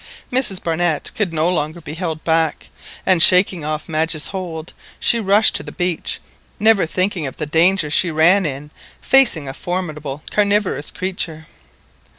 Mrs Barnett could no longer be held back, and, shaking off Madge's hold, she rushed to the beach, never thinking of the danger she ran in facing a formidable carnivorous creature.